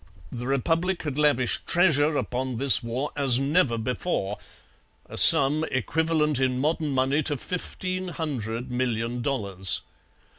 The Republic had lavished treasure upon this war as never before a sum equivalent in modern money to fifteen hundred million dollars.